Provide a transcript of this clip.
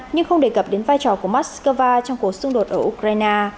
nhưng không đề cập đến vai trò của moscow trong cuộc xung đột ở ukraine